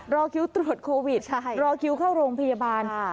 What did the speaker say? รอคิวตรวจโควิดรอคิวเข้าโรงพยาบาล